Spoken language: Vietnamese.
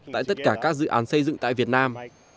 tại tất cả các dự án xây dựng tại việt nam